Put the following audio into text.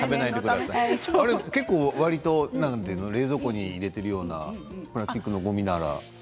結構わりと冷蔵庫に入れているようなプラスチックのごみなら。